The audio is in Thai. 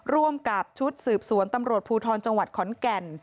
ร่วมกับชุดสืบสวนตำรวจภูทรจังหวัดขอนแก่น